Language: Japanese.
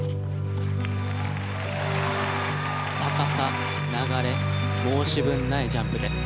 高さ、流れ申し分ないジャンプです。